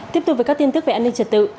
tiếp tục với các tin tức về an ninh trật tự